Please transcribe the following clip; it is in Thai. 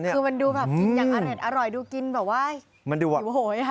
คือมันดูแบบกินอย่างอร่อยดูกินแบบว่าหิวโหย